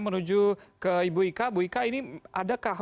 menuju ke ibu ika bu ika ini adakah